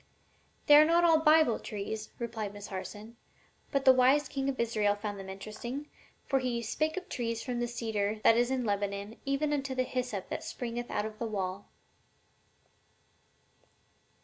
"They are not all Bible trees," replied Miss Harson. "But the wise king of Israel found them interesting, for he 'spake of trees, from the cedar tree that is in Lebanon even unto the hyssop that springeth out of the wall.'"